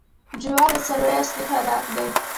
جوار د څارویو اصلي خوراک دی.